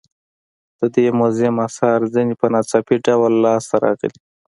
د دې موزیم اثار ځینې په ناڅاپي ډول لاس ته راغلي.